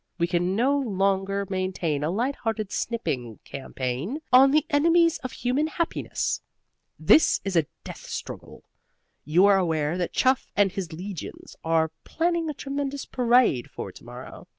We can no longer maintain a light hearted sniping campaign on the enemies of human happiness. This is a death struggle. You are aware that Chuff and his legions are planning a tremendous parade for to morrow.